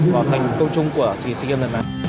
và thành công chung của sigems lần này